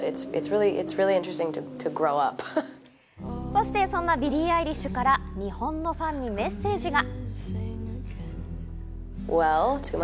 そして、そんなビリー・アイリッシュから日本のファンにメッセージが。